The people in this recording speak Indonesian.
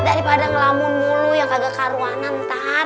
daripada ngelamun mulu yang kagak karuanan ntar